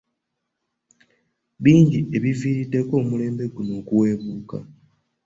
Bingi ebiviiriddeko omulembe guno okuweebuuka.